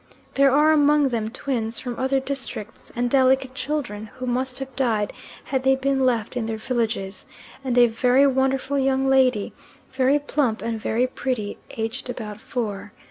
There are among them twins from other districts, and delicate children who must have died had they been left in their villages, and a very wonderful young lady, very plump and very pretty, aged about four.